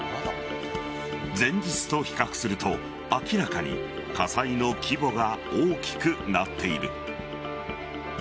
前日と比較すると明らかに火災の規模が大きくなっている。